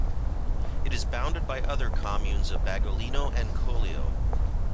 It is bounded by other communes of Bagolino and Collio.